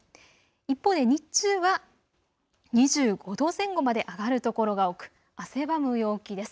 一方で日中は２５度前後まで上がる所が多く汗ばむ陽気です。